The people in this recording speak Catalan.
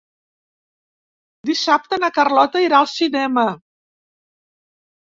Dissabte na Carlota irà al cinema.